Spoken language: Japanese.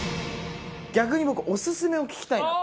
逆に僕オススメを聞きたいなと。